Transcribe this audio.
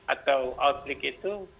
atau outbreak itu